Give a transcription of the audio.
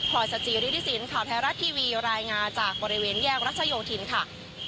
รอยสจิริสินข่าวไทยรัฐทีวีรายงานจากบริเวณแยกรัชโยธินค่ะ